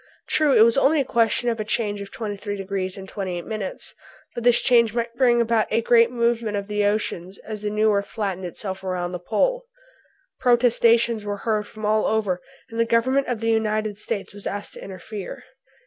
True, it was only a question of a change of 23 degrees and 28 minutes, but this change might bring about a great movement of the oceans as the new earth flattened itself around the pole. Protestations were heard from all over, and the Government of the United States was asked to interfere.